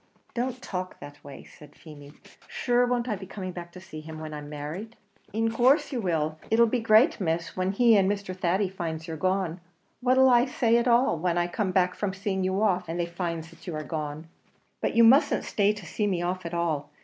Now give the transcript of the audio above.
"Don't talk that way," said Feemy. "Shure, won't I be coming back to see him when I'm married?" "In course you will; but it'll be a great miss, when he and Mr. Thady finds you're gone. What'll I say at all, when I come back from seeing you off and they finds that you are gone?" "But you mustn't stay to see me off at all.